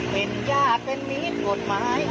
เป็นยากเป็นมีกฎหมาย